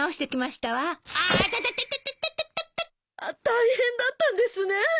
大変だったんですね！